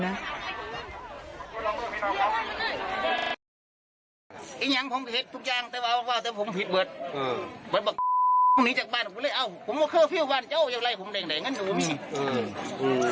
เอ้าอย่าไหล่ผมเด็กงั้นดูสิ